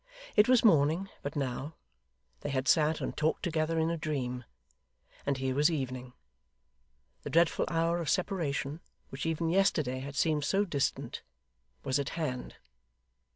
It was morning but now; they had sat and talked together in a dream; and here was evening. The dreadful hour of separation, which even yesterday had seemed so distant, was at hand.